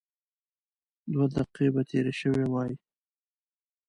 دوه دقيقې به تېرې شوې وای.